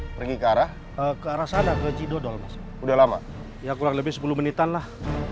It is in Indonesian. pergi ke arah ke arah sana ke cidodol mas udah lama ya kurang lebih sepuluh menitan lah